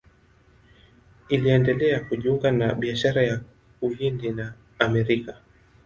Iliendelea kujiunga na biashara ya Uhindi na Amerika.